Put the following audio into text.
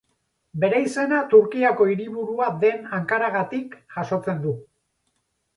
Bere izena Turkiako hiriburua den Ankaragatik jasotzen du.